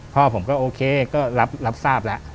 พ่อผมก็โอเคก็รับทราบแล้ว